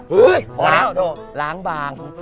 หื้อล้างล้างบาง